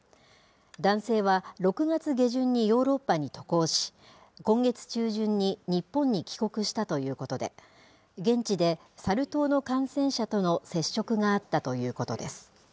男性は６月下旬にヨーロッパに渡航し、今月中旬に日本に帰国したということで、現地でサル痘の感染者との接触があったということです。